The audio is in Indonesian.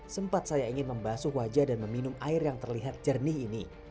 sempat saya ingin membasuh wajah dan meminum air yang terlihat jernih ini